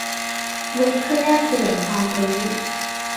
เว็บเพื่อการแลกปลี่ยนความรู้